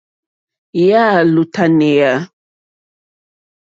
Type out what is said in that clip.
Yà á !lútánéá.